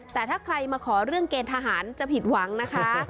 แต่ถ้าใครมาขอเรื่องเกณฑ์ทหารจะผิดหวังนะคะ